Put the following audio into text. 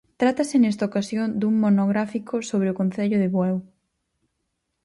Trátase nesta ocasión dun monográfico sobre o Concello de Bueu.